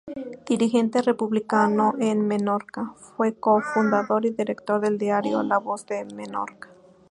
Dirigente republicano en Menorca, fue co-fundador y director del diario "La Voz de Menorca".